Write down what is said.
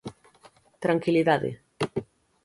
Tranquilidade.